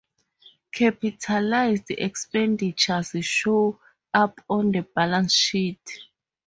Capitalized expenditures show up on the balance sheet.